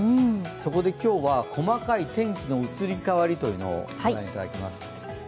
そこで今日は、細かい天気の移り変わりを御覧いただきます。